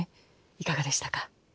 いかがでしたか？